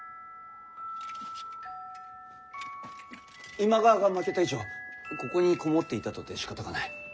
今川が負けた以上ここに籠もっていたとてしかたがない。